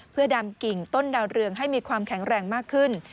เพื่อดำกิ่งต้นดาวเรืองให้มีความแข็งแรงมากขึ้น